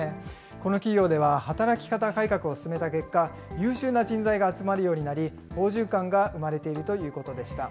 この企業では働き方改革を進めた結果、優秀な人材が集まるようになり、好循環が生まれているということでした。